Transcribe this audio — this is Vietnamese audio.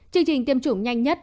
chương trình tiêm chủng nhanh nhất